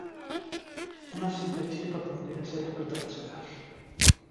Una simple chispa podría hacer explotar la ciudad.